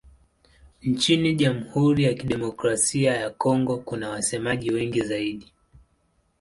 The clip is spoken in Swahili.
Nchini Jamhuri ya Kidemokrasia ya Kongo kuna wasemaji wengi zaidi.